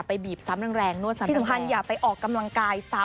ที่สำคัญอย่าไปออกกำลังกายซ้ำ